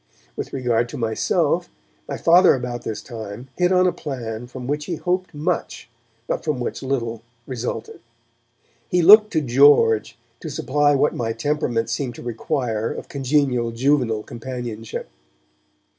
With regard to myself, my Father about this time hit on a plan from which he hoped much, but from which little resulted. He looked to George to supply what my temperament seemed to require of congenial juvenile companionship.